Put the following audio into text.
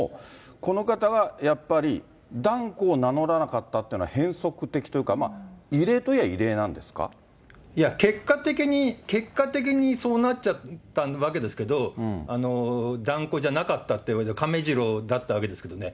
この方はやっぱり、團子を名乗らなかったというのは、変則的というか、いや、結果的に、結果的にそうなっちゃったわけですけど、團子じゃなかったって、亀治郎だったわけですけどね。